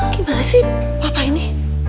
gimana sih bapak ini